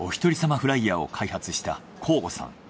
フライヤーを開発した向後さん。